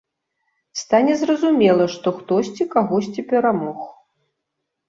Стане зразумела, што хтосьці кагосьці перамог.